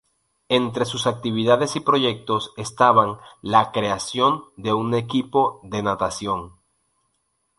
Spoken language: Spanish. Entre sus actividades y proyectos estaban la creación de un equipo de natación.